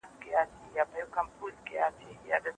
د وليمې دعوت منل واجب دي.